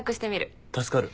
助かる。